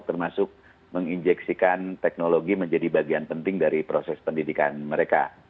termasuk menginjeksikan teknologi menjadi bagian penting dari proses pendidikan mereka